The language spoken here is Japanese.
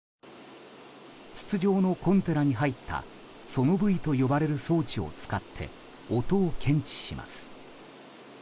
筒状のコンテナに入ったソノブイと呼ばれる装置を使って音を検知します。